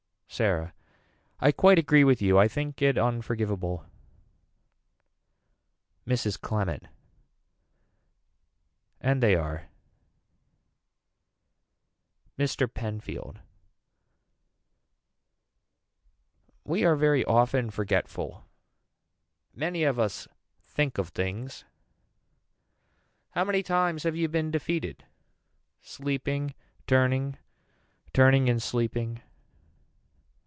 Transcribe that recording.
Sarah. I quite agree with you I think it unforgiveable. Mrs. Clement. And they are. Mr. Penfield. We are very often forgetful. Many of us think of things. How many times have you been defeated. Sleeping. Turning. Turning and sleeping.